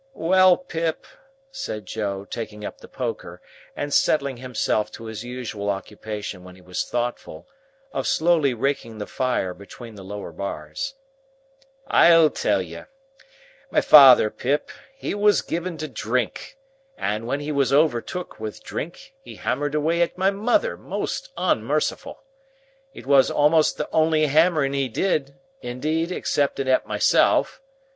"Well, Pip," said Joe, taking up the poker, and settling himself to his usual occupation when he was thoughtful, of slowly raking the fire between the lower bars; "I'll tell you. My father, Pip, he were given to drink, and when he were overtook with drink, he hammered away at my mother, most onmerciful. It were a'most the only hammering he did, indeed, 'xcepting at myself.